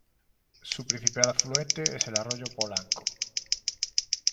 Su principal afluente es el arroyo Polanco.